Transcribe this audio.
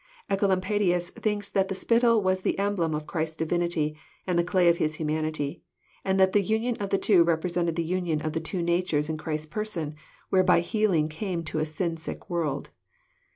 Ecolampadins thinks that the spittle was the emblem of Christ's Divinity, and the clay of His humanity, and that the union of the two represented the union of the two natures in Christ's person, whereby healing came to a sin sick world.